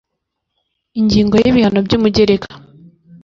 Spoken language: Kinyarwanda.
Ingingo ya ibihano by umugereka